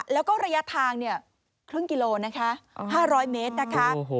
แล้วก็ระยะทางครึ่งกิโลนะคะ๕๐๐เมตรนะคะ